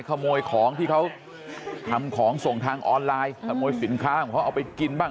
ขโมยของที่เขาทำของส่งทางออนไลน์ขโมยสินค้าของเขาเอาไปกินบ้าง